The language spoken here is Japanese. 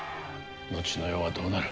後の世はどうなる。